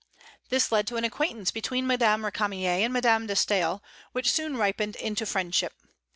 This led to an acquaintance between Madame Récamier and Madame de Staël, which soon ripened into friendship.